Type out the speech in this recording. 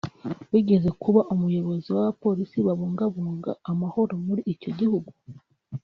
wigeze kuba umuyobozi w’abapolisi babungabunga amahoro muri icyo gihugu